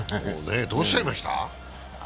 どうしちゃいました？